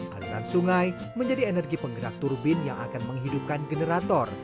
aliran sungai menjadi energi penggerak turbin yang akan menghidupkan generator